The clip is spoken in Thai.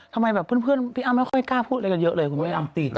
ทำไมแบบเพื่อนพี่อ้ำไม่ค่อยกล้าพูดอะไรกันเยอะเลยคุณแม่อ้ำติด